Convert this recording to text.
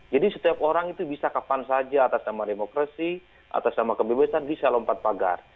jadi setiap orang itu bisa kapan saja atas nama demokrasi atas nama kebebasan bisa lompat pagar